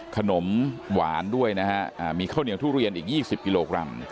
ขนมหวานด้วยนะฮะมีข้าวเหนียวทุเรียนอีก๒๐กิโลกรัม